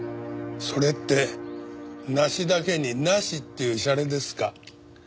それって「梨だけになし」っていうシャレですか？